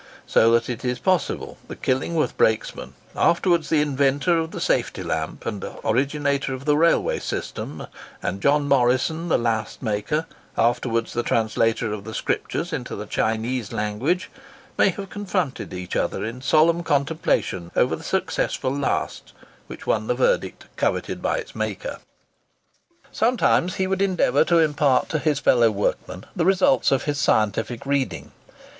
So that it is possible the Killingworth brakesman, afterwards the inventor of the safety lamp and the originator of the railway system, and John Morrison, the last maker, afterwards the translator of the Scriptures into the Chinese language, may have confronted each other in solemn contemplation over the successful last, which won the verdict coveted by its maker. Sometimes he would endeavour to impart to his fellow workmen the results of his scientific reading.